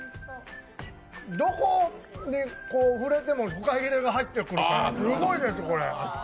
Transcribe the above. どこに触れてもフカヒレが入ってくるからすごいです、これ。